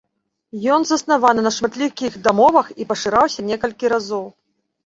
Ён заснаваны на шматлікіх дамовах і пашыраўся некалькі разоў.